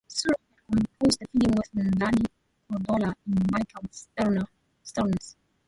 Sorum had composed the film with Lanny Cordola and Michael Stearns.